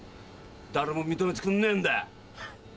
誰も認めてくんねえんだよ。